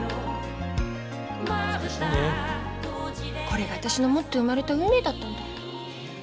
これが私の持って生まれた運命だったんだ。